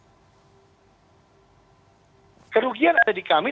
nah konsekuensi yang terjadi hari ini kami kan dipaksa harus mengikuti maunya pssi